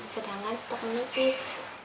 sedangkan stok nukis